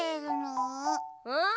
うん？